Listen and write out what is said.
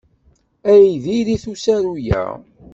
Ay diri-t usaru-a!